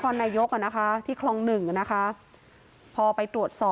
พ่อแม่มาเห็นสภาพศพของลูกร้องไห้กันครับขาดใจ